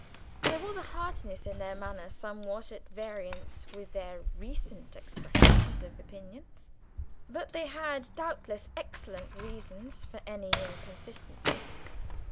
There was a heartiness in their manner somewhat at variance with their recent expressions of opinion; but they had doubtless excellent reasons for any inconsistency.